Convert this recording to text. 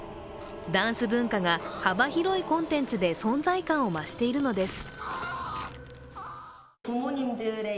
ダンス文化が幅広いコンテンツで存在感を増しているのです。